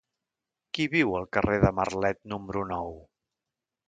Qui viu al carrer de Marlet número nou?